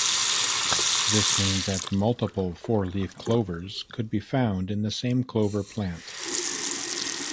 This means that multiple four-leaf clovers could be found in the same clover plant.